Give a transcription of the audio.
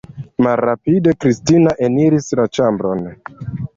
Malrapide Kristina eniris la ĉambron.